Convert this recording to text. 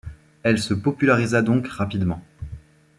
Elle se popularisa donc rapidement.